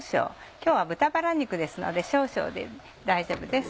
今日は豚バラ肉ですので少々で大丈夫です。